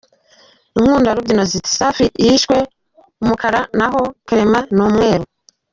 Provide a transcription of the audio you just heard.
Inkundarubyino ziti: “Safi yiswe Umukara naho Clement ni Umweru.